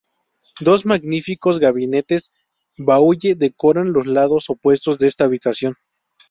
Dos magníficos gabinetes Boulle decoran los lados opuestos de esta habitación.